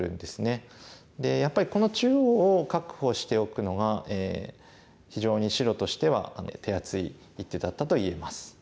でやっぱりこの中央を確保しておくのが非常に白としては手厚い一手だったと言えます。